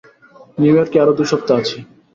New ইয়র্কে আরও দুই সপ্তাহ আছি।